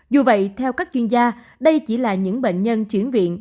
dù vậy theo các chuyên gia đây chỉ là những bệnh nhân chuyển viện